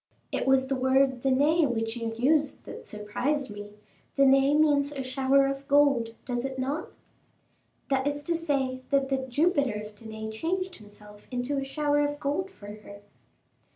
"It was the word Danae which you used that surprised me. Danae means a shower of gold, does it not?" "That is to say that the Jupiter of Danae changed himself into a shower of gold for her."